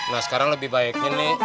nah sekarang lebih baik ini